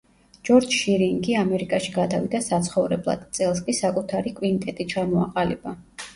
ჯორჯ შირინგი ამერიკაში გადავიდა საცხოვრებლად, წელს კი საკუთარი კვინტეტი ჩამოაყალიბა.